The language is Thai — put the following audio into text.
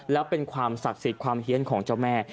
แล้วเป็นความศักดิ์สิทธิ์ความเฮียนของเจ้าแม่